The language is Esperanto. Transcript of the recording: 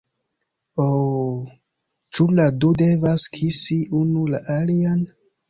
Uh... ĉu la du devas kisi unu la alian?